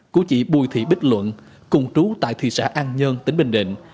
của chị bùi thị bích luận cùng trú tại thị xã an nhơn tỉnh bình định